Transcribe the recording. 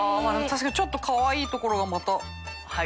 確かにちょっとかわいいところがまた。